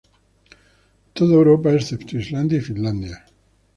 Toda Europa excepto Islandia y Finlandia.